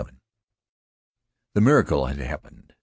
XXVII The miracle had happened.